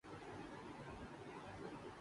اور بھارتی بھی اسی موقع کے منتظر ہوتے ہیں۔